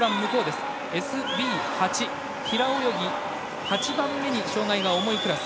ＳＢ８、平泳ぎ８番目に障がいが重いクラス。